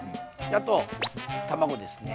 あと卵ですね。